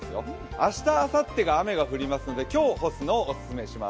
明日あさってが雨が降りますので今日干すのをお勧めします。